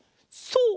そう！